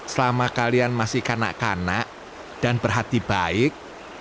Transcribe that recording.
selama kalian masih kanak kanak dan berhati baik